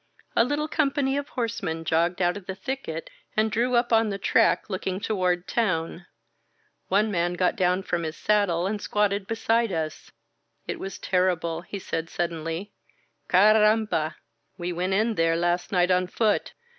A little company of horsemen jogged out of the thicket and drew up on the track, looking toward town. One man got down from his saddle and squatted beside us. "It was terrible,*' he said suddenly. Carramba! We went in there last night on foot.